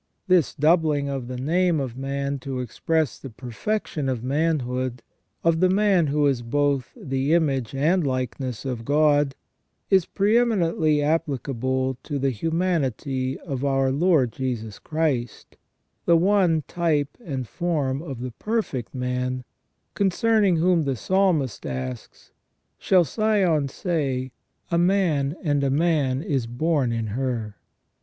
This doubling of the name of man to express the perfection of manhood, of the man who is both the image and likeness of God, is pre eminently applicable to the humanity of our Lord Jesus Christ, the one type and form of the perfect man, concerning whom the Psalmist asks :' Shall Sion say : A man and a man is born in her